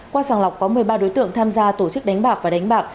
qua sàng lọc có một mươi ba đối tượng tham gia tổ chức đánh bạc và đánh bạc